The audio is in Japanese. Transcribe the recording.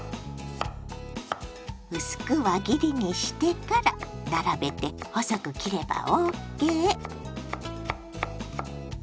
薄く輪切りにしてから並べて細く切ればＯＫ。